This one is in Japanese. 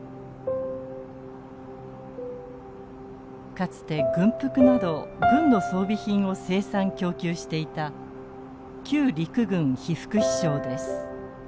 かつて軍服など軍の装備品を生産供給していた旧陸軍被服支廠です。